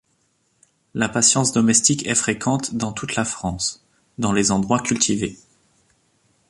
La patience domestique est fréquente dans toute la France, dans les endroits cultivés.